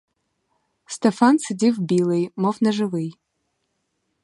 Стефан сидів білий, мов неживий.